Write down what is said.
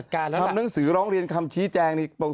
เราก็มีการทำหนังสือร้องเรียนคำชี้แจง